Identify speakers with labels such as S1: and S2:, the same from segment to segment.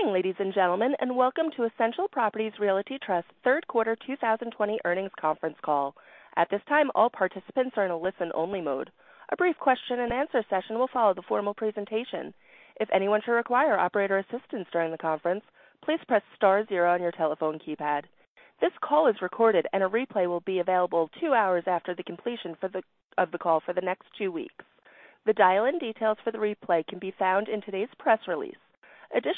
S1: Good morning, ladies and gentlemen, and welcome to Essential Properties Realty Trust Q3 2020 earnings conference call. It is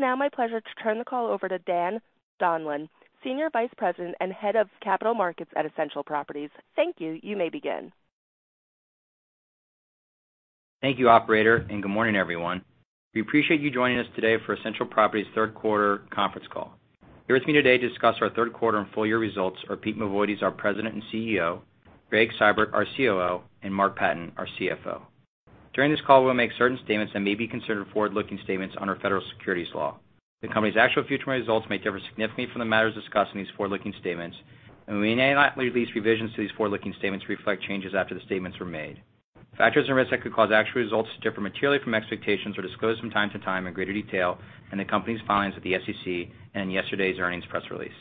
S1: now my pleasure to turn the call over to Dan Donlan, Senior Vice President and Head of Capital Markets at Essential Properties. Thank you. You may begin.
S2: Thank you, operator, and good morning, everyone. We appreciate you joining us today for Essential Properties' Q3 conference call. Here with me today to discuss our Q3 and full year results are Pete Mavoides, our President and CEO, Gregg Seibert, our COO, and Mark Patten, our CFO. During this call, we'll make certain statements that may be considered forward-looking statements under federal securities law. The company's actual future results may differ significantly from the matters discussed in these forward-looking statements, and we may not release revisions to these forward-looking statements to reflect changes after the statements were made. Factors and risks that could cause actual results to differ materially from expectations are disclosed from time to time in greater detail in the company's filings with the SEC and in yesterday's earnings press release.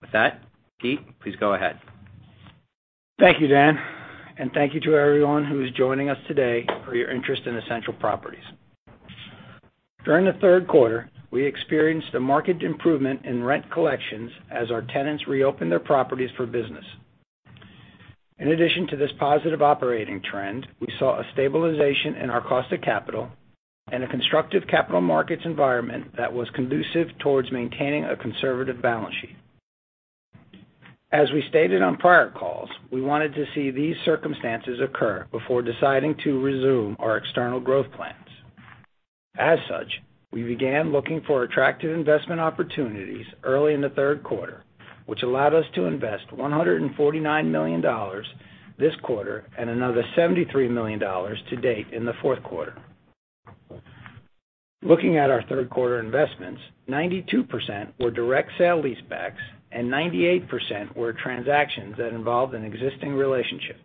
S2: With that, Pete, please go ahead.
S3: Thank you, Dan, and thank you to everyone who is joining us today for your interest in Essential Properties. During the Q3, we experienced a marked improvement in rent collections as our tenants reopened their properties for business. In addition to this positive operating trend, we saw a stabilization in our cost of capital and a constructive capital markets environment that was conducive towards maintaining a conservative balance sheet. As we stated on prior calls, we wanted to see these circumstances occur before deciding to resume our external growth plans. As such, we began looking for attractive investment opportunities early in the Q3, which allowed us to invest $149 million this quarter and another $73 million to date in the Q4. Looking at our Q3 investments, 92% were direct sale-leasebacks and 98% were transactions that involved an existing relationship.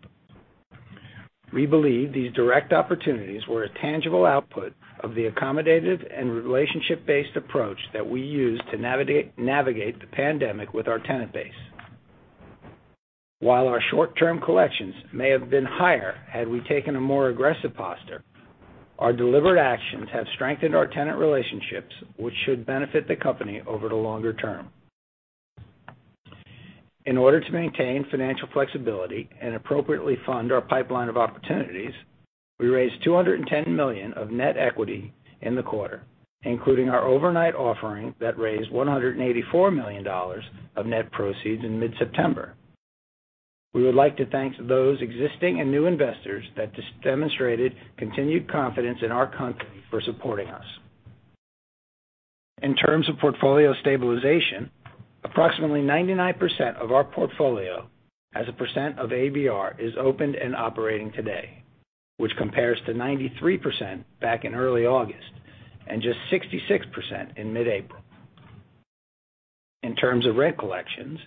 S3: We believe these direct opportunities were a tangible output of the accommodative and relationship-based approach that we used to navigate the pandemic with our tenant base. While our short-term collections may have been higher had we taken a more aggressive posture, our deliberate actions have strengthened our tenant relationships, which should benefit the company over the longer term. In order to maintain financial flexibility and appropriately fund our pipeline of opportunities, we raised $210 million of net equity in the quarter, including our overnight offering that raised $184 million of net proceeds in mid-September. We would like to thank those existing and new investors that demonstrated continued confidence in our company for supporting us. In terms of portfolio stabilization, approximately 99% of our portfolio as a percent of ABR is opened and operating today, which compares to 93% back in early August and just 66% in mid-April. In terms of rent collections,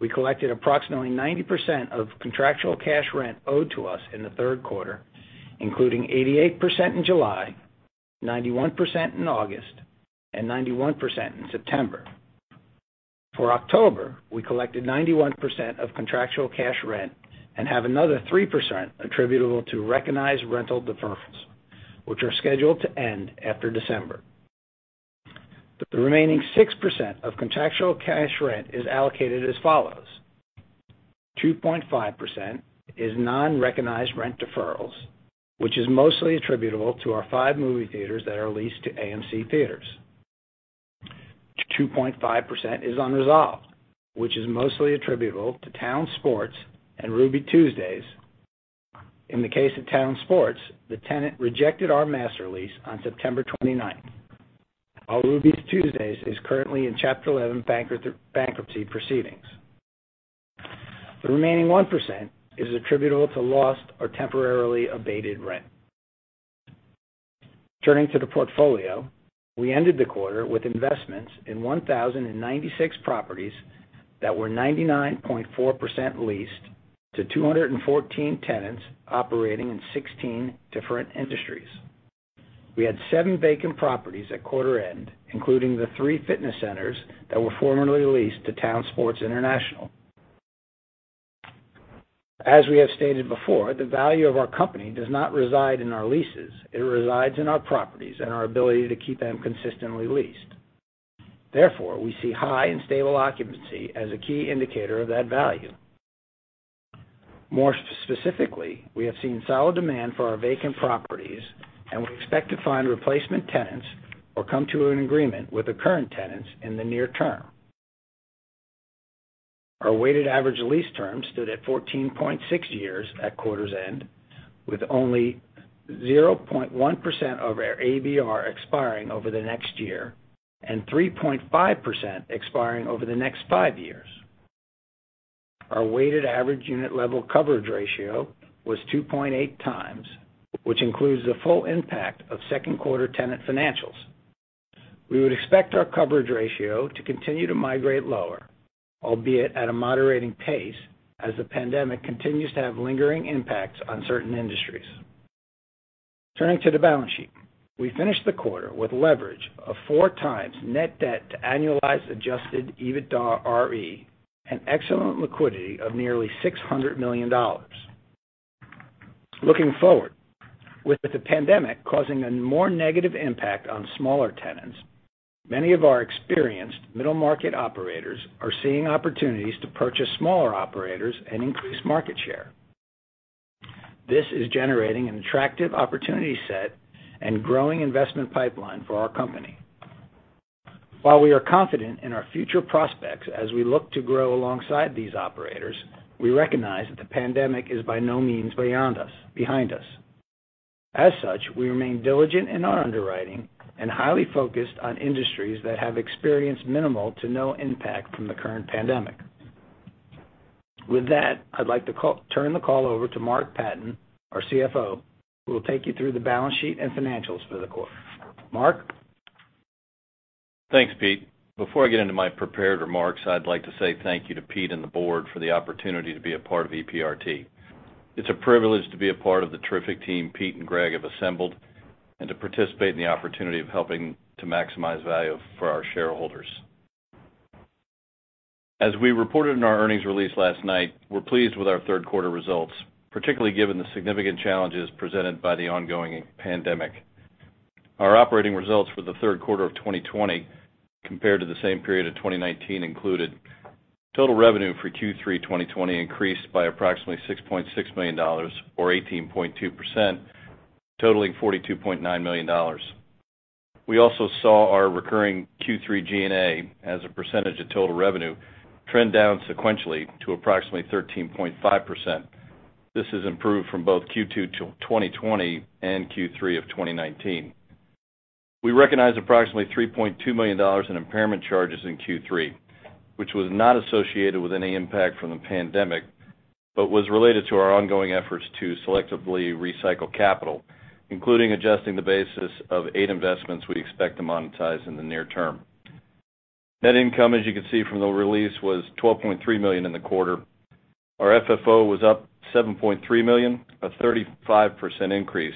S3: we collected approximately 90% of contractual cash rent owed to us in the Q3, including 88% in July, 91% in August, and 91% in September. For October, we collected 91% of contractual cash rent and have another 3% attributable to recognized rental deferrals, which are scheduled to end after December. The remaining 6% of contractual cash rent is allocated as follows: 2.5% is non-recognized rent deferrals, which is mostly attributable to our five movie theaters that are leased to AMC Theatres. 2.5% is unresolved, which is mostly attributable to Town Sports and Ruby Tuesday. In the case of Town Sports, the tenant rejected our master lease on September 29th, while Ruby Tuesday is currently in Chapter 11 bankruptcy proceedings. The remaining 1% is attributable to lost or temporarily abated rent. Turning to the portfolio, we ended the quarter with investments in 1,096 properties that were 99.4% leased to 214 tenants operating in 16 different industries. We had 7 vacant properties at quarter end, including the three fitness centers that were formerly leased to Town Sports International. As we have stated before, the value of our company does not reside in our leases. It resides in our properties and our ability to keep them consistently leased. Therefore, we see high and stable occupancy as a key indicator of that value. More specifically, we have seen solid demand for our vacant properties, and we expect to find replacement tenants or come to an agreement with the current tenants in the near term. Our weighted average lease term stood at 14.6 years at quarter's end, with only 0.1% of our ABR expiring over the next year and 3.5% expiring over the next five years. Our weighted average unit level coverage ratio was 2.8 times, which includes the full impact of Q2 tenant financials. We would expect our coverage ratio to continue to migrate lower, albeit at a moderating pace as the pandemic continues to have lingering impacts on certain industries. Turning to the balance sheet. We finished the quarter with leverage of four times net debt to annualized adjusted EBITDARE, an excellent liquidity of nearly $600 million. Looking forward, with the pandemic causing a more negative impact on smaller tenants, many of our experienced middle-market operators are seeing opportunities to purchase smaller operators and increase market share. This is generating an attractive opportunity set and growing investment pipeline for our company. While we are confident in our future prospects as we look to grow alongside these operators, we recognize that the pandemic is by no means behind us. As such, we remain diligent in our underwriting and highly focused on industries that have experienced minimal to no impact from the current pandemic. With that, I'd like to turn the call over to Mark Patten, our CFO, who will take you through the balance sheet and financials for the quarter. Mark?
S4: Thanks, Pete. Before I get into my prepared remarks, I'd like to say thank you to Pete and the board for the opportunity to be a part of EPRT. It's a privilege to be a part of the terrific team Pete and Gregg have assembled, and to participate in the opportunity of helping to maximize value for our shareholders. As we reported in our earnings release last night, we're pleased with our Q3 results, particularly given the significant challenges presented by the ongoing pandemic. Our operating results for the Q3 of 2020 compared to the same period of 2019 included total revenue for Q3 2020 increased by approximately $6.6 million or 18.2%, totaling $42.9 million. We also saw our recurring Q3 G&A as a percentage of total revenue trend down sequentially to approximately 13.5%. This has improved from both Q2 2020 and Q3 of 2019. We recognized approximately $3.2 million in impairment charges in Q3, which was not associated with any impact from the pandemic, but was related to our ongoing efforts to selectively recycle capital, including adjusting the basis of eight investments we expect to monetize in the near term. Net income, as you can see from the release, was $12.3 million in the quarter. Our FFO was up $7.3 million, a 35% increase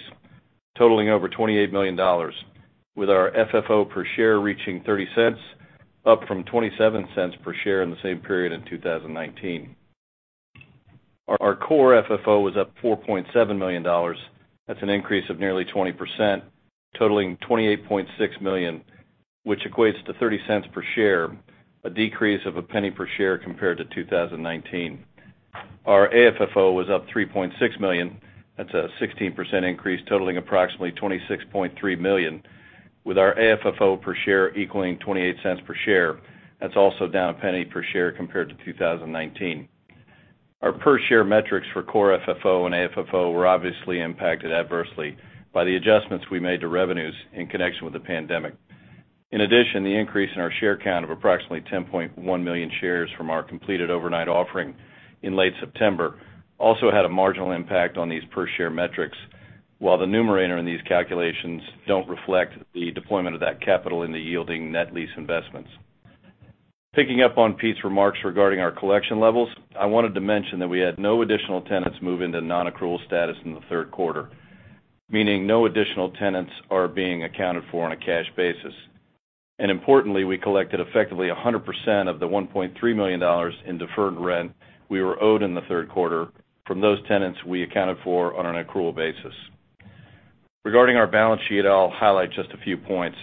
S4: totaling over $28 million with our FFO per share reaching $0.30 up from $0.27 per share in the same period in 2019. Our Core FFO was up $4.7 million. That's an increase of nearly 20%, totaling $28.6 million, which equates to $0.30 per share, a decrease of $0.01 per share compared to 2019. Our AFFO was up $3.6 million. That's a 16% increase totaling approximately $26.3 million with our AFFO per share equaling $0.28 per share. That's also down $0.01 per share compared to 2019. Our per share metrics for Core FFO and AFFO were obviously impacted adversely by the adjustments we made to revenues in connection with the pandemic. The increase in our share count of approximately 10.1 million shares from our completed overnight offering in late September also had a marginal impact on these per share metrics. The numerator in these calculations don't reflect the deployment of that capital in the yielding net lease investments. Picking up on Pete's remarks regarding our collection levels, I wanted to mention that we had no additional tenants move into non-accrual status in the Q3, meaning no additional tenants are being accounted for on a cash basis. Importantly, we collected effectively 100% of the $1.3 million in deferred rent we were owed in the Q3 from those tenants we accounted for on an accrual basis. Regarding our balance sheet, I'll highlight just a few points.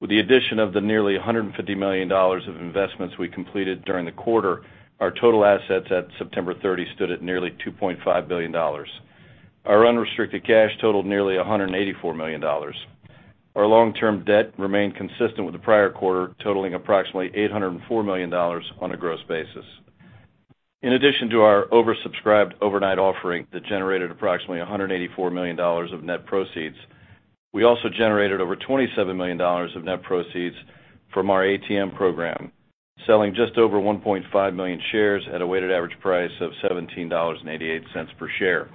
S4: With the addition of the nearly $150 million of investments we completed during the quarter, our total assets at September 30 stood at nearly $2.5 billion. Our unrestricted cash totaled nearly $184 million. Our long-term debt remained consistent with the prior quarter, totaling approximately $804 million on a gross basis. In addition to our oversubscribed overnight offering that generated approximately $184 million of net proceeds, we also generated over $27 million of net proceeds from our ATM program, selling just over 1.5 million shares at a weighted average price of $17.88 per share.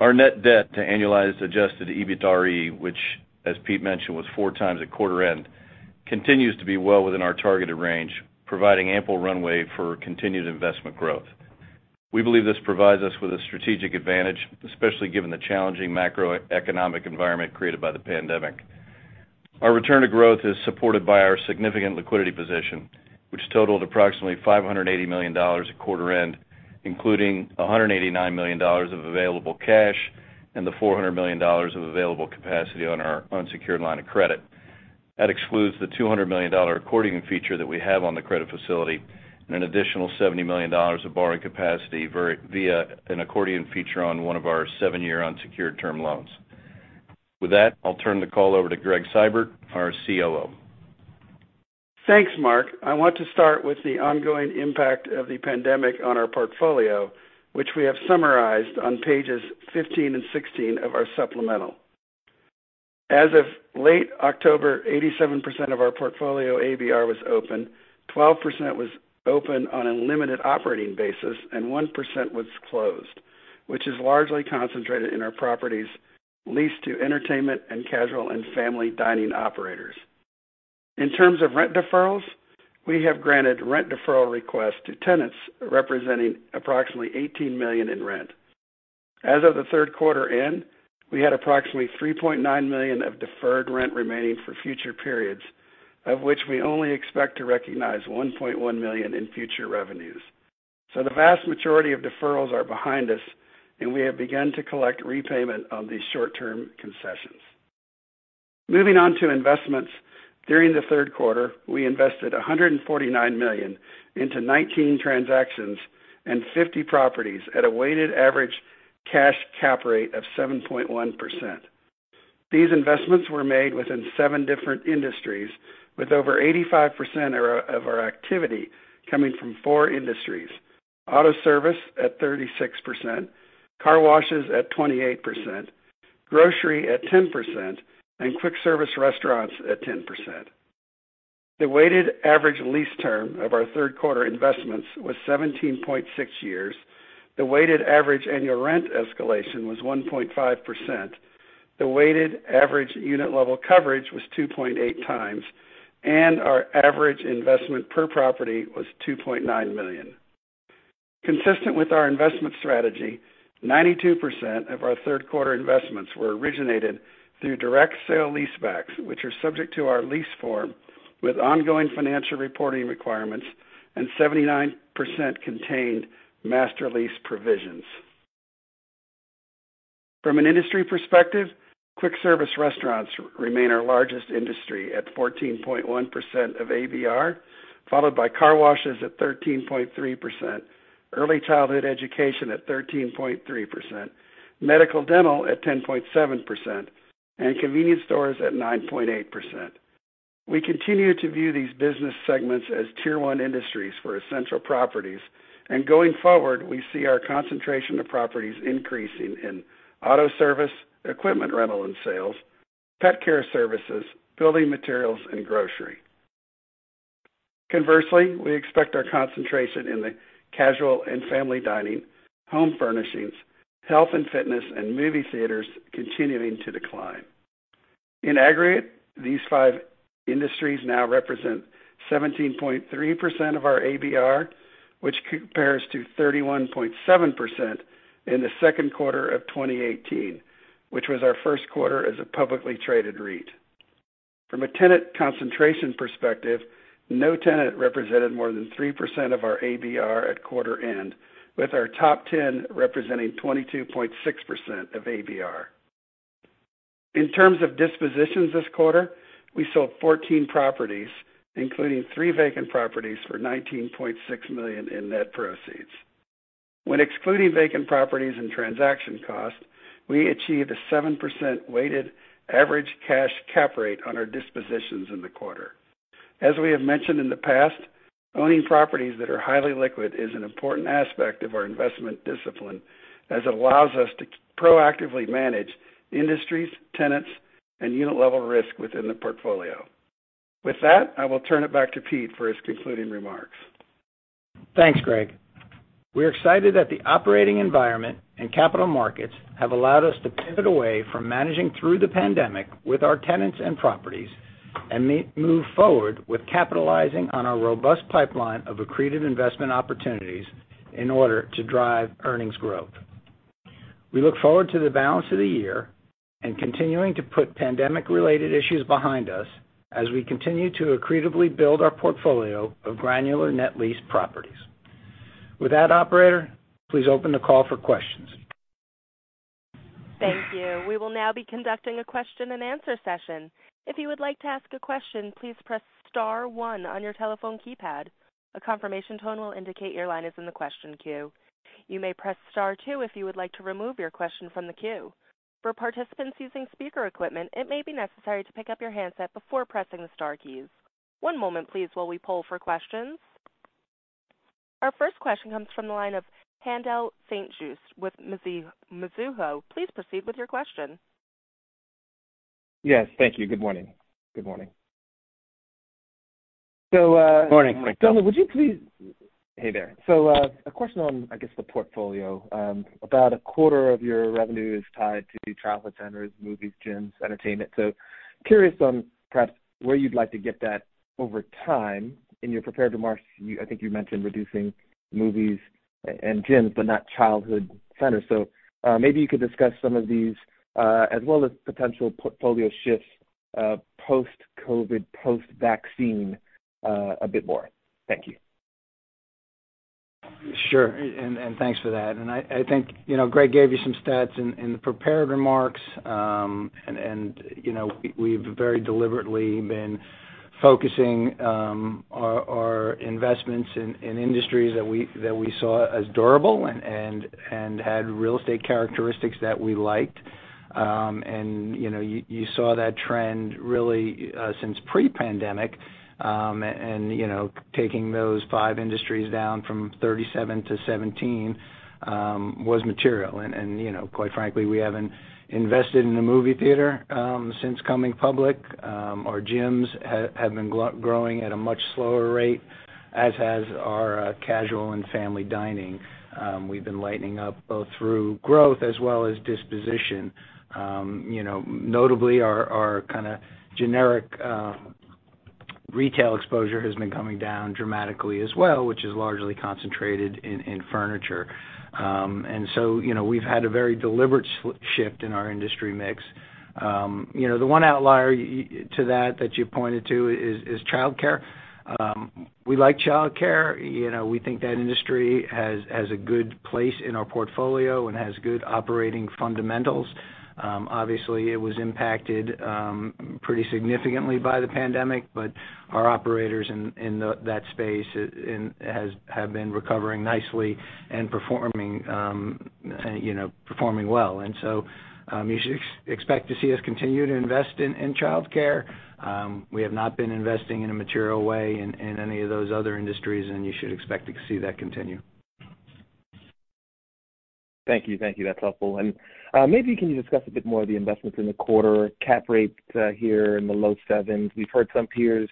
S4: Our net debt to annualized adjusted EBITDARE, which as Pete mentioned, was four times at quarter end, continues to be well within our targeted range, providing ample runway for continued investment growth. We believe this provides us with a strategic advantage, especially given the challenging macroeconomic environment created by the pandemic. Our return to growth is supported by our significant liquidity position, which totaled approximately $580 million at quarter end, including $189 million of available cash and the $400 million of available capacity on our unsecured line of credit. That excludes the $200 million accordion feature that we have on the credit facility and an additional $70 million of borrowing capacity via an accordion feature on one of our seven-year unsecured term loans. With that, I'll turn the call over to Gregg Seibert, our COO.
S5: Thanks, Mark. I want to start with the ongoing impact of the pandemic on our portfolio, which we have summarized on pages 15 and 16 of our supplemental. As of late October, 87% of our portfolio ABR was open, 12% was open on a limited operating basis, and 1% was closed, which is largely concentrated in our properties leased to entertainment and casual and family dining operators. In terms of rent deferrals, we have granted rent deferral requests to tenants representing approximately $18 million in rent. As of the Q3 end, we had approximately $3.9 million of deferred rent remaining for future periods, of which we only expect to recognize $1.1 million in future revenues. The vast majority of deferrals are behind us, and we have begun to collect repayment of these short-term concessions. Moving on to investments. During the Q3, we invested $149 million into 19 transactions and 50 properties at a weighted average cash cap rate of 7.1%. These investments were made within seven different industries, with over 85% of our activity coming from four industries: auto service at 36%, car washes at 28%, grocery at 10%, and Quick-Service Restaurants at 10%. The weighted average lease term of our Q3 investments was 17.6 years. The weighted average annual rent escalation was 1.5%. The weighted average unit level coverage was 2.8 times, and our average investment per property was $2.9 million. Consistent with our investment strategy, 92% of our Q3 investments were originated through direct sale-leasebacks, which are subject to our lease form with ongoing financial reporting requirements, and 79% contained master lease provisions. From an industry perspective, quick service restaurants remain our largest industry at 14.1% of ABR, followed by car washes at 13.3%, early childhood education at 13.3%, medical/dental at 10.7%, and convenience stores at 9.8%. We continue to view these business segments as tier 1 industries for Essential Properties. Going forward, we see our concentration of properties increasing in auto service, equipment rental and sales, pet care services, building materials, and grocery. Conversely, we expect our concentration in the casual and family dining, home furnishings, health and fitness, and movie theaters continuing to decline. In aggregate, these five industries now represent 17.3% of our ABR, which compares to 31.7% in the Q2 of 2018, which was our Q1 as a publicly traded REIT. From a tenant concentration perspective, no tenant represented more than 3% of our ABR at quarter end, with our top 10 representing 22.6% of ABR. In terms of dispositions this quarter, we sold 14 properties, including three vacant properties, for $19.6 million in net proceeds. When excluding vacant properties and transaction costs, we achieved a 7% weighted average cash cap rate on our dispositions in the quarter. As we have mentioned in the past, owning properties that are highly liquid is an important aspect of our investment discipline, as it allows us to proactively manage industries, tenants, and unit-level risk within the portfolio. With that, I will turn it back to Pete for his concluding remarks.
S3: Thanks, Gregg. We're excited that the operating environment and capital markets have allowed us to pivot away from managing through the pandemic with our tenants and properties and move forward with capitalizing on our robust pipeline of accretive investment opportunities in order to drive earnings growth. We look forward to the balance of the year and continuing to put pandemic-related issues behind us as we continue to accretively build our portfolio of granular net lease properties. With that, operator, please open the call for questions.
S1: Thank you. Our first question comes from the line of Haendel St. Juste with Mizuho. Please proceed with your question.
S6: Yes, thank you. Good morning.
S3: Morning.
S6: Hey there. A question on, I guess, the portfolio. About a quarter of your revenue is tied to childhood centers, movies, gyms, entertainment. Curious on perhaps where you'd like to get that over time. In your prepared remarks, I think you mentioned reducing movies and gyms, but not childhood centers. Maybe you could discuss some of these, as well as potential portfolio shifts post-COVID, post-vaccine, a bit more. Thank you.
S3: Sure, thanks for that. I think Gregg gave you some stats in the prepared remarks, and we've very deliberately been focusing our investments in industries that we saw as durable and had real estate characteristics that we liked. You saw that trend really since pre-pandemic. Taking those five industries down from 37-17 was material. Quite frankly, we haven't invested in a movie theater since coming public. Our gyms have been growing at a much slower rate. As has our casual and family dining. We've been lightening up both through growth as well as disposition. Notably, our kind of generic retail exposure has been coming down dramatically as well, which is largely concentrated in furniture. We've had a very deliberate shift in our industry mix. The one outlier to that you pointed to is childcare. We like childcare. We think that industry has a good place in our portfolio and has good operating fundamentals. Obviously, it was impacted pretty significantly by the pandemic, but our operators in that space have been recovering nicely and performing well. You should expect to see us continue to invest in childcare. We have not been investing in a material way in any of those other industries, and you should expect to see that continue.
S6: Thank you. That's helpful. Maybe can you discuss a bit more of the investments in the quarter cap rate here in the low sevens. We've heard some peers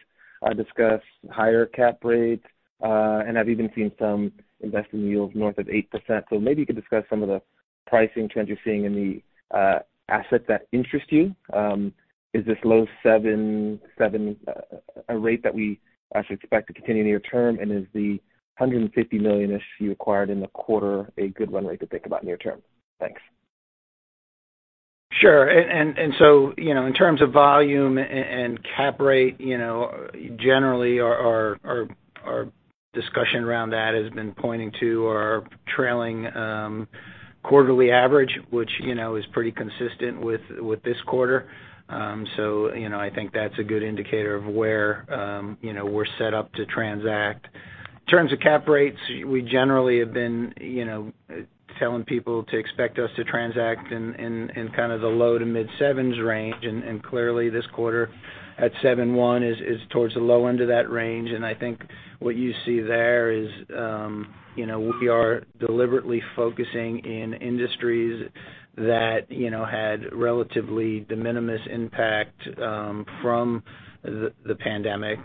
S6: discuss higher cap rates, and I've even seen some investment yields north of 8%. Maybe you could discuss some of the pricing trends you're seeing in the assets that interest you. Is this low seven a rate that we should expect to continue near-term, and is the $150 million-ish you acquired in the quarter a good run rate to think about near term? Thanks.
S3: Sure. In terms of volume and cap rate, generally our discussion around that has been pointing to our trailing quarterly average, which is pretty consistent with this quarter. I think that's a good indicator of where we're set up to transact. In terms of cap rates, we generally have been telling people to expect us to transact in kind of the low to mid sevens range. Clearly this quarter at 7.1 is towards the low end of that range. I think what you see there is we are deliberately focusing in industries that had relatively de minimis impact from the pandemic,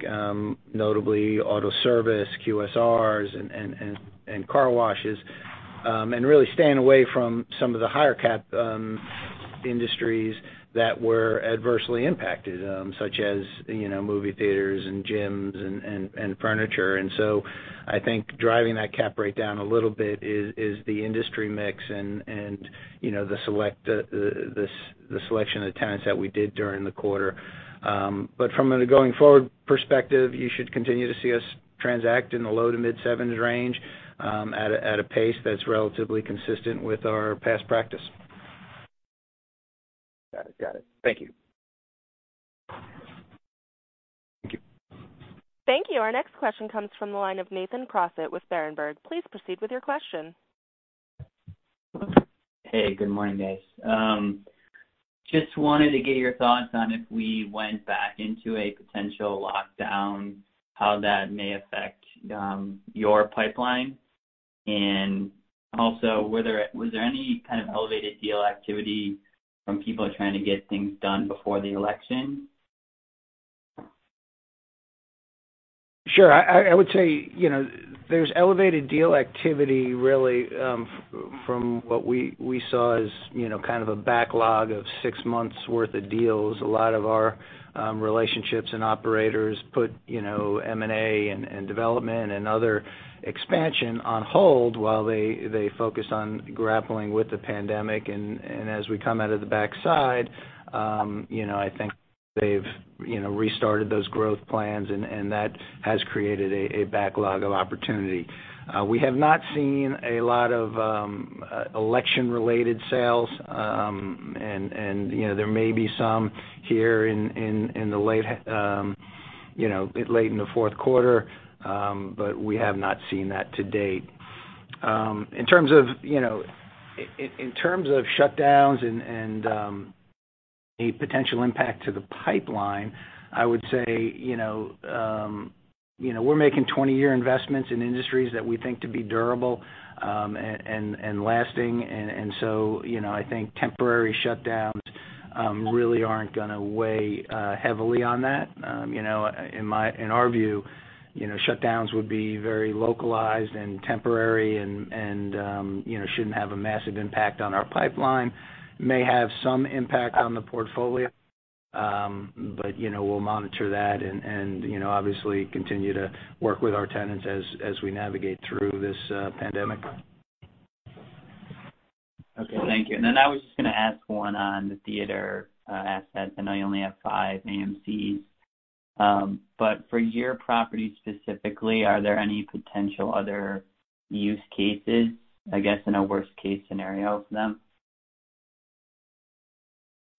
S3: notably auto service, QSRs, and car washes, and really staying away from some of the higher cap industries that were adversely impacted, such as movie theaters and gyms and furniture. I think driving that cap rate down a little bit is the industry mix and the selection of tenants that we did during the quarter. From a going forward perspective, you should continue to see us transact in the low to mid sevens range, at a pace that's relatively consistent with our past practice.
S6: Got it. Thank you.
S3: Thank you.
S1: Thank you. Our next question comes from the line of Nathan Proffitt with Berenberg. Please proceed with your question.
S7: Hey, good morning, guys. Just wanted to get your thoughts on if we went back into a potential lockdown, how that may affect your pipeline. Also, was there any kind of elevated deal activity from people trying to get things done before the election?
S3: Sure. I would say, there's elevated deal activity really, from what we saw as kind of a backlog of six months worth of deals. A lot of our relationships and operators put M&A and development and other expansion on hold while they focus on grappling with the pandemic. As we come out of the backside, I think they've restarted those growth plans, and that has created a backlog of opportunity. We have not seen a lot of election-related sales. There may be some here late in the Q4. We have not seen that to date. In terms of shutdowns and any potential impact to the pipeline, I would say we're making 20-year investments in industries that we think to be durable and lasting. I think temporary shutdowns really aren't going to weigh heavily on that. In our view, shutdowns would be very localized and temporary and shouldn't have a massive impact on our pipeline. May have some impact on the portfolio. We'll monitor that and obviously continue to work with our tenants as we navigate through this pandemic.
S7: Okay. Thank you. I was just going to ask one on the theater assets. I know you only have five AMCs. For your properties specifically, are there any potential other use cases, I guess, in a worst-case scenario for them?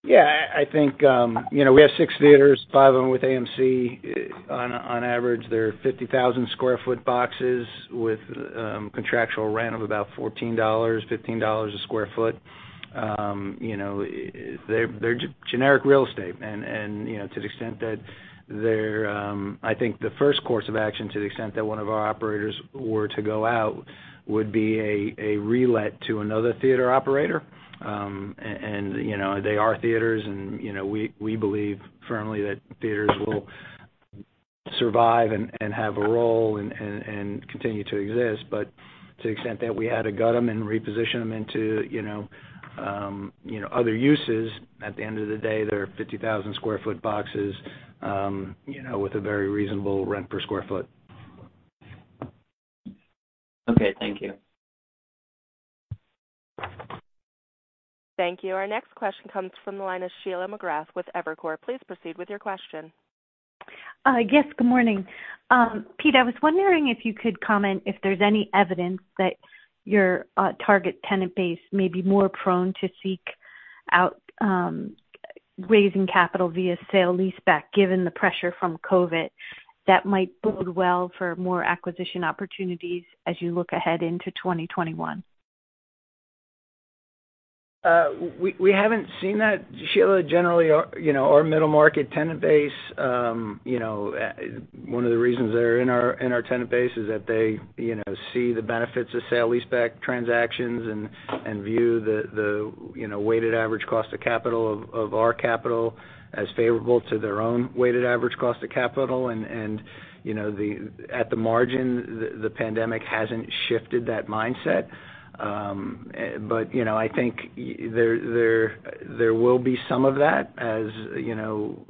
S3: Yeah. We have six theaters, five of them with AMC. On average, they're 50,000 sq ft boxes with a contractual rent of about $14, $15 a sq ft. They're generic real estate. I think the first course of action, to the extent that one of our operators were to go out, would be a relet to another theater operator. They are theaters, and we believe firmly that theaters will survive and have a role and continue to exist. To the extent that we had to gut them and reposition them into other uses, at the end of the day, there are 50,000 sq ft boxes with a very reasonable rent per sq ft.
S7: Okay, thank you.
S1: Thank you. Our next question comes from the line of Sheila McGrath with Evercore. Please proceed with your question.
S8: Yes, good morning. Pete, I was wondering if you could comment if there's any evidence that your target tenant base may be more prone to seek out raising capital via sale-leaseback, given the pressure from COVID, that might bode well for more acquisition opportunities as you look ahead into 2021?
S3: We haven't seen that, Sheila. Generally, our middle-market tenant base, one of the reasons they're in our tenant base is that they see the benefits of sale-leaseback transactions and view the weighted average cost of capital of our capital as favorable to their own weighted average cost of capital. At the margin, the pandemic hasn't shifted that mindset. I think there will be some of that as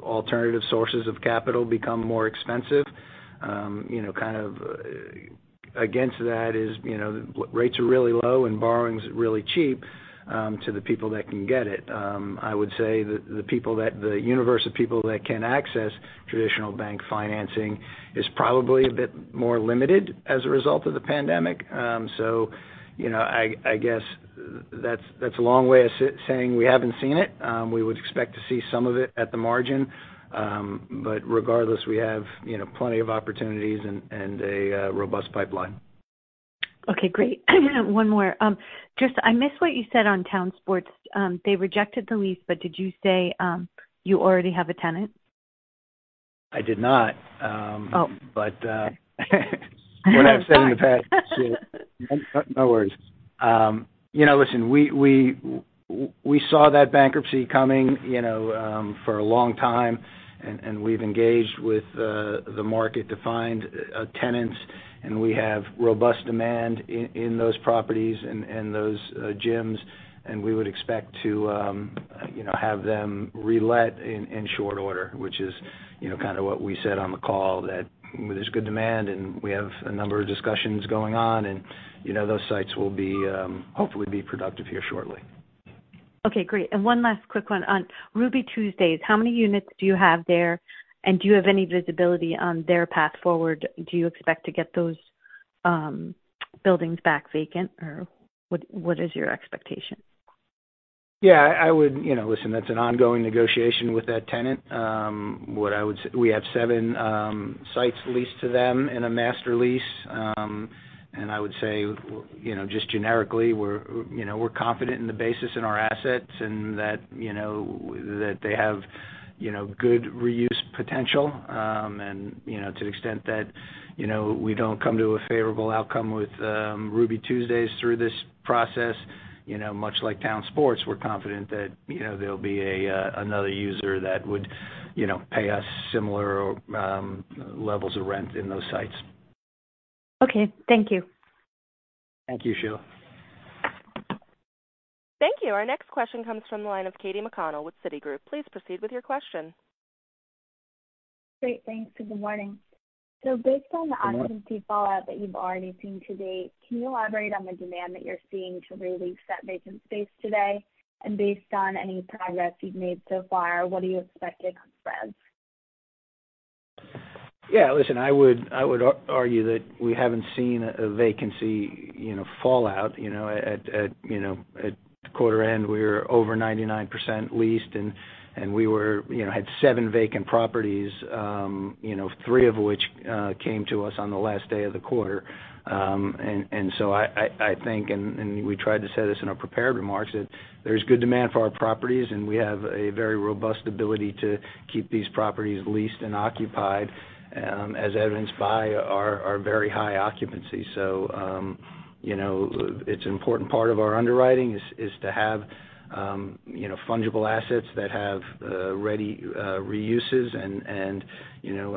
S3: alternative sources of capital become more expensive. Kind of against that is rates are really low, and borrowing's really cheap to the people that can get it. I would say that the universe of people that can access traditional bank financing is probably a bit more limited as a result of the pandemic. I guess that's a long way of saying we haven't seen it. We would expect to see some of it at the margin. Regardless, we have plenty of opportunities and a robust pipeline.
S8: Okay, great. One more. I missed what you said on Town Sports. They rejected the lease, did you say you already have a tenant?
S3: I did not.
S8: Oh.
S3: What I've said in the past.
S8: Sorry.
S3: No worries. Listen, we saw that bankruptcy coming for a long time. We've engaged with the market to find tenants. We have robust demand in those properties and those gyms. We would expect to have them relet in short order, which is kind of what we said on the call, that there's good demand. We have a number of discussions going on. Those sites will hopefully be productive here shortly.
S8: Okay, great. One last quick one. On Ruby Tuesday's, how many units do you have there, and do you have any visibility on their path forward? Do you expect to get those buildings back vacant, or what is your expectation?
S3: Yeah, listen, that's an ongoing negotiation with that tenant. We have seven sites leased to them in a master lease. I would say, just generically, we're confident in the basis in our assets and that they have good reuse potential. To the extent that we don't come to a favorable outcome with Ruby Tuesday through this process, much like Town Sports, we're confident that there'll be another user that would pay us similar levels of rent in those sites.
S8: Okay, thank you.
S3: Thank you, Sheila.
S1: Thank you. Our next question comes from the line of Katy McConnell with Citigroup. Please proceed with your question.
S9: Great. Thanks, and good morning.
S3: Good morning.
S9: Occupancy fallout that you've already seen to date, can you elaborate on the demand that you're seeing to re-lease that vacant space today? Based on any progress you've made so far, what are you expecting on spreads?
S3: Listen, I would argue that we haven't seen a vacancy fallout. At quarter end, we were over 99% leased, and we had seven vacant properties, three of which came to us on the last day of the quarter. I think, and we tried to say this in our prepared remarks, that there's good demand for our properties, and we have a very robust ability to keep these properties leased and occupied, as evidenced by our very high occupancy. It's an important part of our underwriting is to have fungible assets that have ready reuses and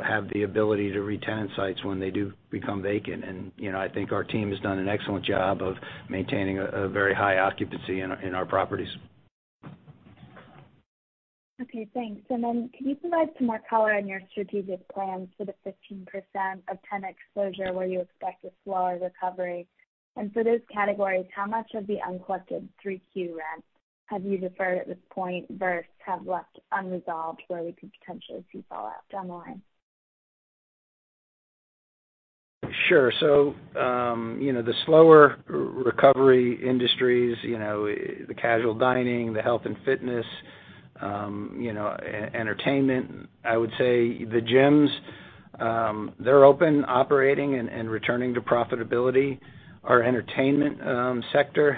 S3: have the ability to re-tenant sites when they do become vacant. I think our team has done an excellent job of maintaining a very high occupancy in our properties.
S9: Okay, thanks. Can you provide some more color on your strategic plans for the 15% of tenant exposure where you expect a slower recovery? For those categories, how much of the uncollected 3Q rents have you deferred at this point versus have left unresolved where we could potentially see fallout down the line?
S3: Sure. The slower recovery industries, the casual dining, the health and fitness, entertainment. I would say the gyms. They're open, operating, and returning to profitability. Our entertainment sector,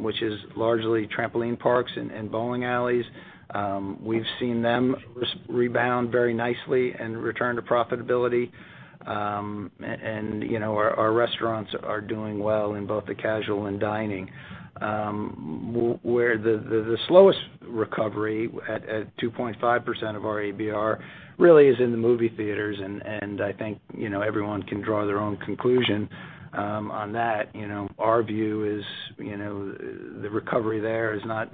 S3: which is largely trampoline parks and bowling alleys, we've seen them rebound very nicely and return to profitability. Our restaurants are doing well in both the casual and dining. Where the slowest recovery, at 2.5% of our ABR, really is in the movie theaters, and I think everyone can draw their own conclusion on that. Our view is the recovery there is not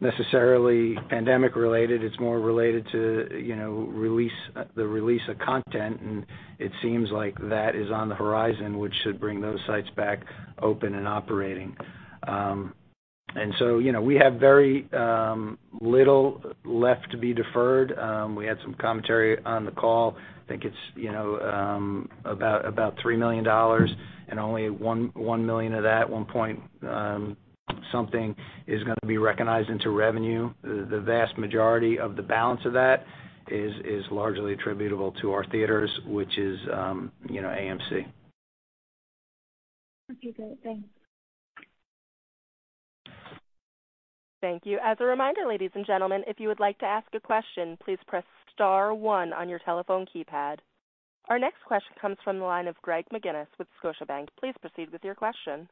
S3: necessarily pandemic related. It's more related to the release of content, and it seems like that is on the horizon, which should bring those sites back open and operating. We have very little left to be deferred. We had some commentary on the call. I think it's about $3 million, only $1 million of that, one point something, is gonna be recognized into revenue. The vast majority of the balance of that is largely attributable to our theaters, which is AMC.
S9: Okay, great. Thanks.
S1: Thank you. As a reminder, ladies and gentlemen, if you would like to ask a question, please press star one on your telephone keypad. Our next question comes from the line of Greg McGinniss with Scotiabank. Please proceed with your question.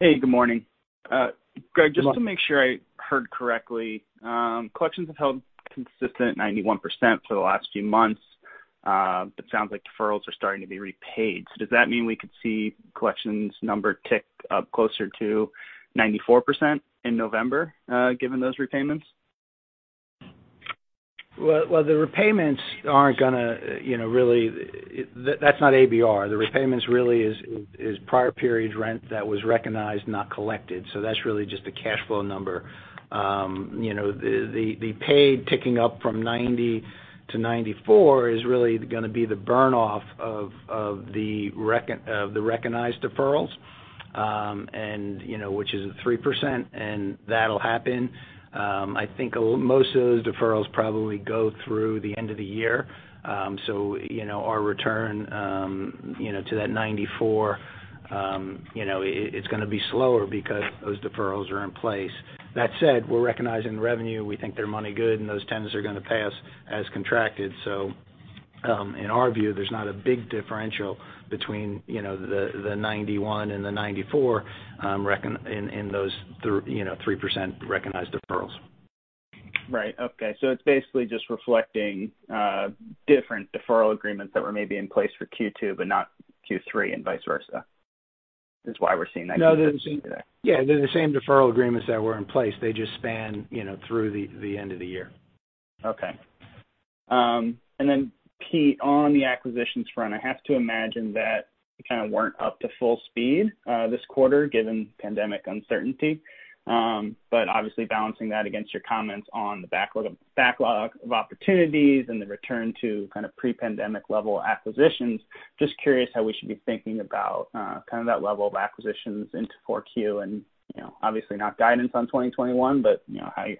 S10: Hey, good morning.
S3: Good morning.
S10: Gregg, just to make sure I heard correctly, collections have held consistent 91% for the last few months. It sounds like deferrals are starting to be repaid. Does that mean we could see collections number tick up closer to 94% in November, given those repayments?
S5: Well, the repayments aren't going to really That's not ABR. The repayments really is prior period rent that was recognized, not collected. That's really just a cash flow number. The paid ticking up from 90 to 94 is really going to be the burn-off of the recognized deferrals, which is at 3%, and that'll happen. I think most of those deferrals probably go through the end of the year. Our return to that 94, it's going to be slower because those deferrals are in place. That said, we're recognizing revenue. We think they're money good, and those tenants are going to pay us as contracted. In our view, there's not a big differential between the 91 and the 94 in those 3% recognized deferrals.
S10: Right. Okay. It's basically just reflecting different deferral agreements that were maybe in place for Q2 but not Q3 and vice versa. That's why we're seeing that.
S5: No.
S10: difference there.
S5: Yeah, they're the same deferral agreements that were in place. They just span through the end of the year.
S10: Okay. Pete, on the acquisitions front, I have to imagine that you kind of weren't up to full speed this quarter given pandemic uncertainty. Obviously balancing that against your comments on the backlog of opportunities and the return to kind of pre-pandemic level acquisitions, just curious how we should be thinking about kind of that level of acquisitions into 4Q, and obviously not guidance on 2021, but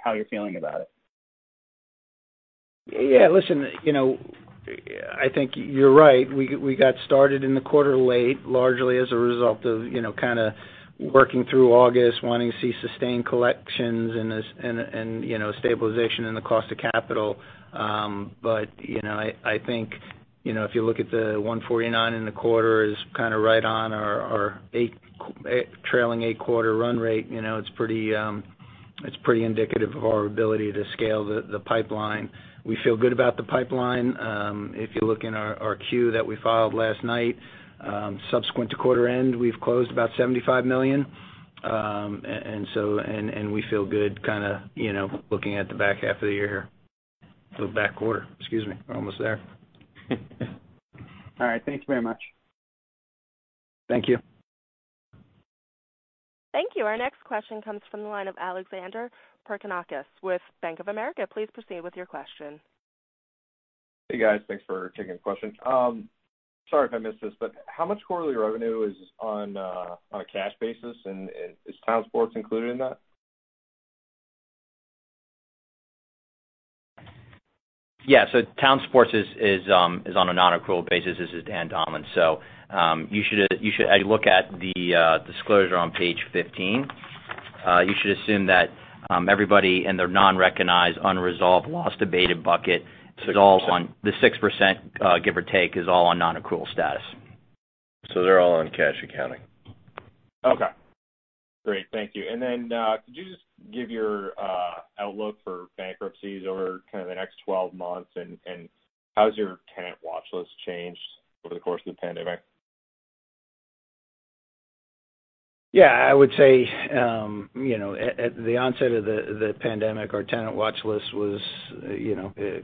S10: how you're feeling about it?
S3: Yeah. Listen, I think you're right. We got started in the quarter late, largely as a result of kind of working through August, wanting to see sustained collections and stabilization in the cost of capital. I think if you look at the $149 in the quarter is kind of right on our trailing eight-quarter run rate. It's pretty indicative of our ability to scale the pipeline. We feel good about the pipeline. If you look in our Q that we filed last night, subsequent to quarter end, we've closed about $75 million. We feel good kind of looking at the back half of the year here. The back quarter, excuse me. We're almost there.
S10: All right. Thank you very much.
S3: Thank you.
S1: Thank you. Our next question comes from the line of Alexander Pernokas with Bank of America. Please proceed with your question.
S11: Hey, guys. Thanks for taking the question. Sorry if I missed this, but how much quarterly revenue is on a cash basis, and is Town Sports included in that?
S2: Yeah. Town Sports is on a non-accrual basis. This is Dan Donlan. You should look at the disclosure on page 15. You should assume that everybody in their non-recognized unresolved lost or abated bucket.
S3: 6%.
S2: The 6%, give or take, is all on non-accrual status.
S3: They're all on cash accounting.
S11: Okay. Great. Thank you. Could you just give your outlook for bankruptcies over kind of the next 12 months, and how has your tenant watch list changed over the course of the pandemic?
S3: Yeah. I would say at the onset of the pandemic, our tenant watch list was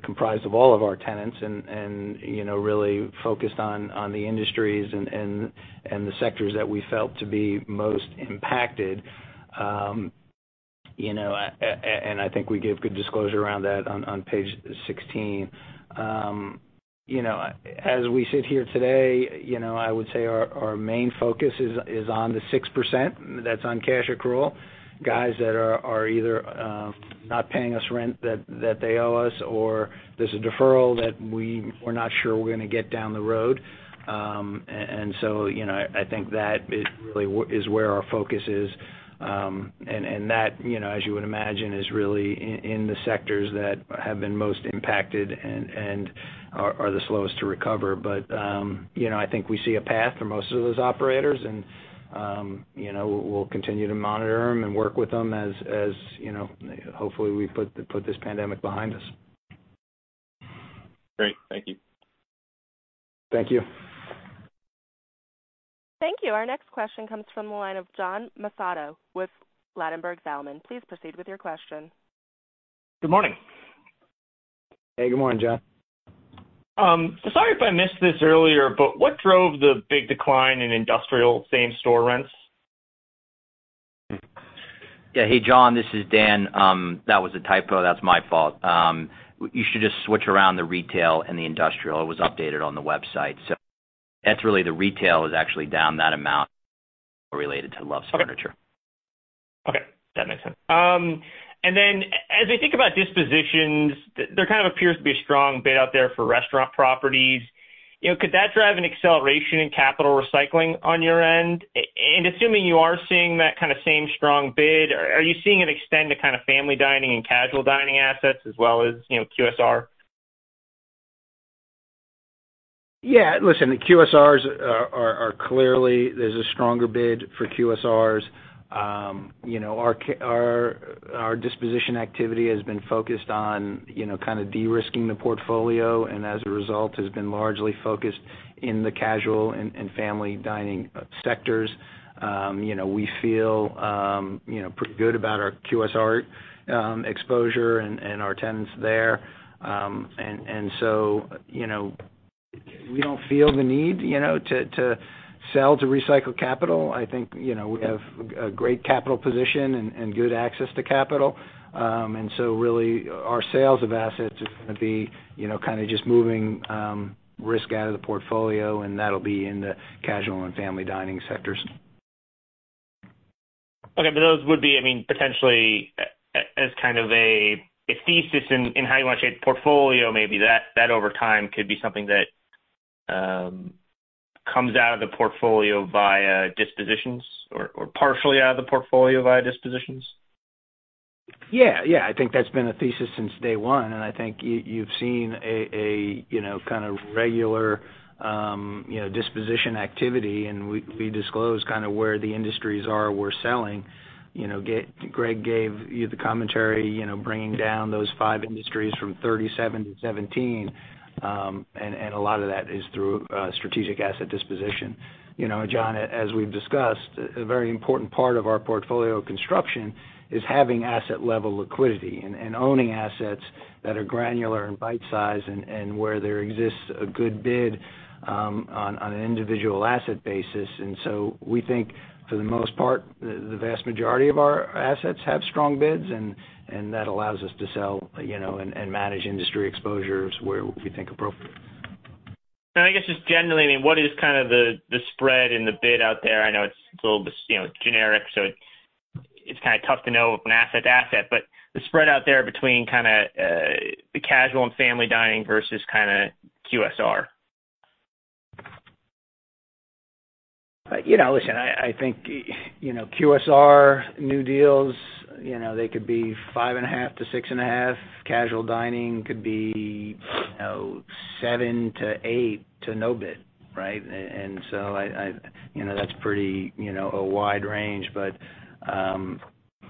S3: comprised of all of our tenants and really focused on the industries and the sectors that we felt to be most impacted. I think we give good disclosure around that on page 16. As we sit here today, I would say our main focus is on the 6% that's on cash accrual. Guys that are either not paying us rent that they owe us, or there's a deferral that we're not sure we're going to get down the road. I think that is really where our focus is. That, as you would imagine, is really in the sectors that have been most impacted and are the slowest to recover. I think we see a path for most of those operators and we'll continue to monitor them and work with them as hopefully we put this pandemic behind us.
S11: Great. Thank you.
S3: Thank you.
S1: Thank you. Our next question comes from the line of John Massocca with Ladenburg Thalmann. Please proceed with your question.
S12: Good morning.
S3: Hey, good morning, John.
S12: Sorry if I missed this earlier, but what drove the big decline in industrial same-store rents?
S2: Yeah. Hey, John, this is Dan. That was a typo. That's my fault. You should just switch around the retail and the industrial. It was updated on the website. That's really the retail is actually down that amount related to Loves Furniture.
S12: Okay. That makes sense. As I think about dispositions, there kind of appears to be a strong bid out there for restaurant properties. Could that drive an acceleration in capital recycling on your end? Assuming you are seeing that kind of same strong bid, are you seeing it extend to kind of family dining and casual dining assets as well as QSR?
S3: Listen, the QSRs are clearly there's a stronger bid for QSRs. Our disposition activity has been focused on kind of de-risking the portfolio, and as a result, has been largely focused in the casual and family dining sectors. We feel pretty good about our QSR exposure and our tenants there. We don't feel the need to sell to recycle capital. I think we have a great capital position and good access to capital. Really, our sales of assets is going to be kind of just moving risk out of the portfolio, and that'll be in the casual and family dining sectors.
S12: Okay. Those would be, potentially as kind of a thesis in how you want to shape the portfolio, maybe that over time could be something that comes out of the portfolio via dispositions or partially out of the portfolio via dispositions?
S3: Yeah. I think that's been a thesis since day one. I think you've seen a kind of regular disposition activity, and we disclose kind of where the industries are we're selling. Gregg gave you the commentary, bringing down those five industries from 37-17. A lot of that is through strategic asset disposition. John, as we've discussed, a very important part of our portfolio construction is having asset level liquidity and owning assets that are granular and bite-size and where there exists a good bid on an individual asset basis. We think for the most part, the vast majority of our assets have strong bids, and that allows us to sell and manage industry exposures where we think appropriate.
S12: I guess just generally, what is kind of the spread in the bid out there? I know it's a little generic, so it's kind of tough to know from asset to asset. The spread out there between kind of the casual and family dining versus kind of QSR.
S3: Listen, I think QSR new deals, they could be five and a half to six and a half. Casual dining could be seven to eight to no bid, right? That's pretty a wide range.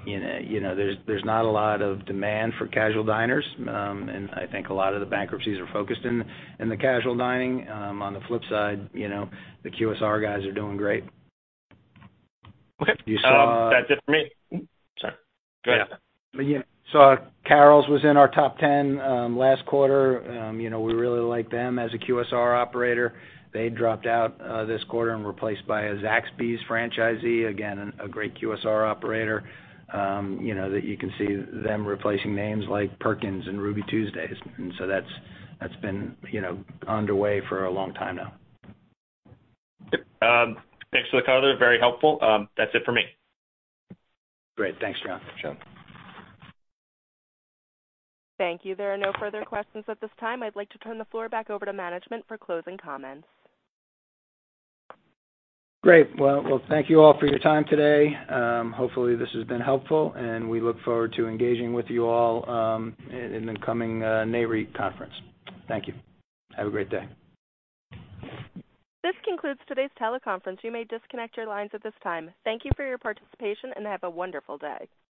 S3: There's not a lot of demand for casual diners. I think a lot of the bankruptcies are focused in the casual dining. On the flip side, the QSR guys are doing great.
S12: Okay.
S3: You saw-
S12: That's it for me. Sorry. Go ahead.
S3: Carrols was in our top 10 last quarter. We really like them as a QSR operator. They dropped out this quarter and replaced by a Zaxby's franchisee. Again, a great QSR operator that you can see them replacing names like Perkins and Ruby Tuesdays. That's been underway for a long time now.
S12: Thanks for the color. Very helpful. That's it for me.
S3: Great. Thanks, John.
S12: Sure.
S1: Thank you. There are no further questions at this time. I'd like to turn the floor back over to management for closing comments.
S3: Great. Well, thank you all for your time today. Hopefully this has been helpful, and we look forward to engaging with you all in the coming NAREIT conference. Thank you. Have a great day.
S1: This concludes today's teleconference. You may disconnect your lines at this time. Thank you for your participation, and have a wonderful day.